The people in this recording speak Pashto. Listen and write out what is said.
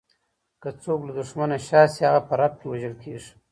که څوک له دښمنه شا شي، هغه په رپ کې وژل کیږي.